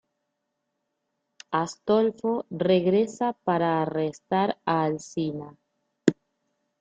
Astolfo regresa para arrestar a Alcina.